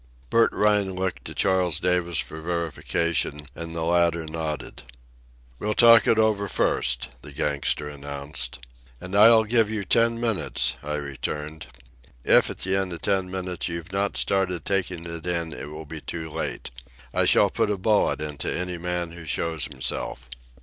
Bert Rhine looked to Charles Davis for verification, and the latter nodded. "We'll talk it over first," the gangster announced. "And I'll give you ten minutes," I returned. "If at the end of ten minutes you've not started taking in, it will be too late. I shall put a bullet into any man who shows himself."